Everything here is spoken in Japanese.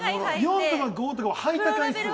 「４」とか「５」とかは吐いた回数？